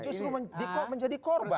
justru menjadi korban